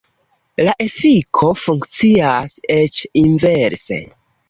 La efiko funkcias eĉ inverse.